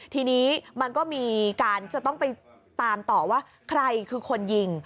ทีนี้มันก็มีการจะต้องไปตามต่อว่าใครคือคนยิง